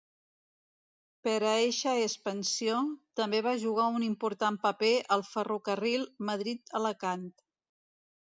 Per a eixa expansió, també va jugar un important paper el ferrocarril Madrid-Alacant.